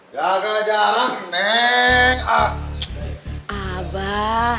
jaga jarak neng ah abah neng lagi mau obatin mondi masa orang ngobatin disuruh jaga jarak